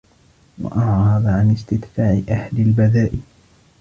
وَأَعْرَضَ عَنْ اسْتِدْفَاعِ أَهْلِ الْبَذَاءِ